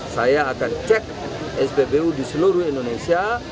saya akan cek spbu di seluruh indonesia